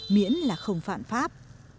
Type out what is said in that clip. miễn là không phạm pháp